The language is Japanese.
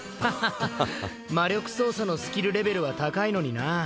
魔力操作のスキルレベルは高いのになあ